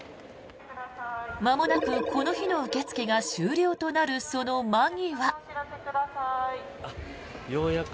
まもなく、この日の受け付けが終了となるその間際。